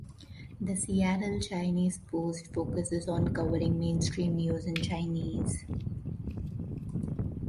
"The Seattle Chinese Post" focuses on covering mainstream news in Chinese.